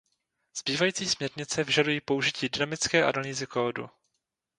Zbývající směrnice vyžadují použití dynamické analýzy kódu.